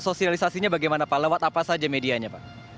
sosialisasinya bagaimana pak lewat apa saja medianya pak